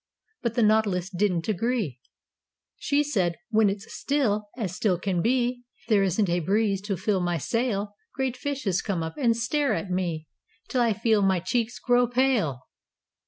But the Nautilus didn't agree. She said, 'When it's still As still can be, And there isn't a breeze To fill my sail, Great fishes come up And stare at me, Till I feel my cheeks Grow pale.